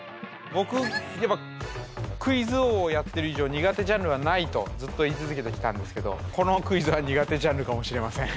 僕やっぱクイズ王をやってる以上苦手ジャンルはないとずっと言い続けてきたんですけどこのクイズは苦手ジャンルかもしれません。